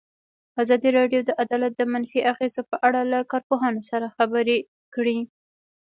ازادي راډیو د عدالت د منفي اغېزو په اړه له کارپوهانو سره خبرې کړي.